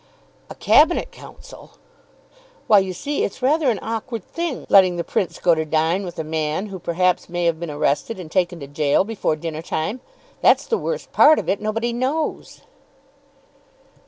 "A Cabinet Council!" "Why, you see it's rather an awkward thing, letting the Prince go to dine with a man who perhaps may have been arrested and taken to gaol before dinner time. That's the worst part of it. Nobody knows."